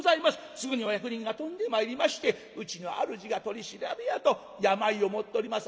すぐにお役人が飛んでまいりましてうちの主が取り調べやと病を持っております